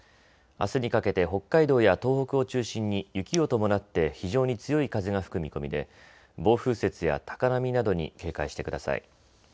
あすにかけて北海道や東北を中心に雪を伴って非常に強い風が吹く見込みで暴風雪や高波などに警戒してください。